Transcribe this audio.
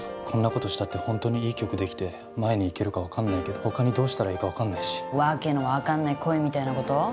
こんなことしたって本当にいい曲できて前に行けるか分かんないけど他にどうしたらいいか分かんないし訳の分かんない恋みたいなこと？